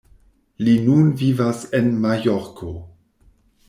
Li nun vivas en Majorko.